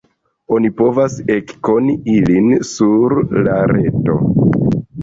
Oni povas ekkoni ilin sur la reto.